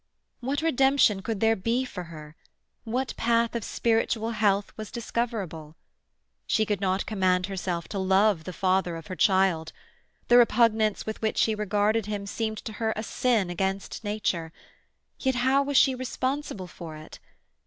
What redemption could there be for her? What path of spiritual health was discoverable? She could not command herself to love the father of her child; the repugnance with which she regarded him seemed to her a sin against nature, yet how was she responsible for it?